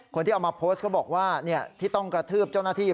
คนที่เอามาโพสต์ก็บอกว่าที่ต้องกระทืบเจ้าหน้าที่